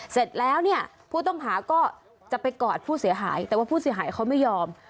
เสร็จแล้วเนี่ยผู้ต้องหาก็จะไปกอดผู้เสียหายแต่ว่าผู้เสียหายเขาไม่ยอม